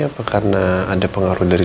apa karena ada pengaruh dari